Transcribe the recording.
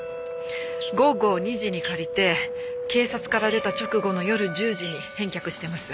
午後２時に借りて警察から出た直後の夜１０時に返却してます。